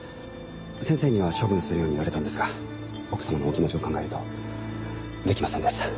先生には処分するように言われたんですが奥様のお気持ちを考えるとできませんでした。